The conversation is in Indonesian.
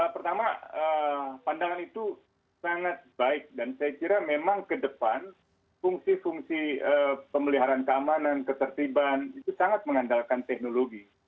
pertama pandangan itu sangat baik dan saya kira memang ke depan fungsi fungsi pemeliharaan keamanan ketertiban itu sangat mengandalkan teknologi